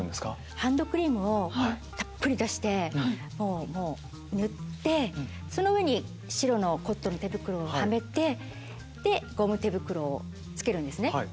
ハンドクリームをたっぷり出してもう塗ってその上に白のコットンの手袋をはめてでゴム手袋を着けるんですね。